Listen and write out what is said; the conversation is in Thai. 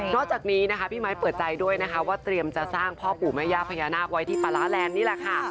จากนี้นะคะพี่ไม้เปิดใจด้วยนะคะว่าเตรียมจะสร้างพ่อปู่แม่ย่าพญานาคไว้ที่ปลาร้าแลนด์นี่แหละค่ะ